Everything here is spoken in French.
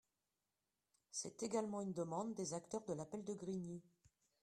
C’est également une demande des acteurs de l’appel de Grigny.